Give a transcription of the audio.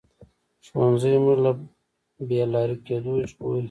ښوونځی موږ له بې لارې کېدو ژغوري